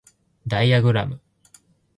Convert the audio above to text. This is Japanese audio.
ダイアグラム